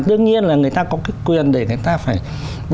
tương nhiên là người ta có cái quyền để người ta phải nâng cao cái chất lượng